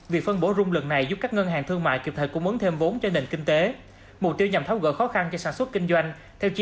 và phóng sự này cũng sẽ khép lại những tin tức